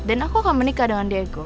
dan aku akan menikah dengan diego